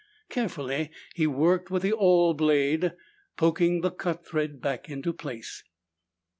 Carefully he worked with the awl blade, poking the cut thread back into place.